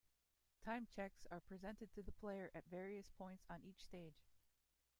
Time checks are presented to the player at various points on each stage.